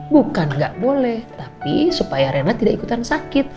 bukan gak boleh tapi supaya reyna tidak ikutan sakit